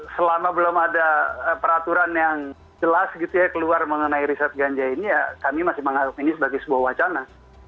selama belum ada peraturan yang jelas gitu ya keluar mengenai riset ganja ini ya kami masih menganggap ini sebagai sebuah wacana